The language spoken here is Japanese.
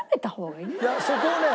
いやそこをね